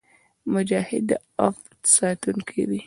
مجاهد د عفت ساتونکی وي.